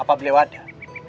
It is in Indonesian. apa beliau ada